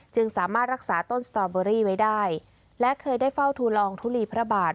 สามารถรักษาต้นสตรอเบอรี่ไว้ได้และเคยได้เฝ้าทูลองทุลีพระบาท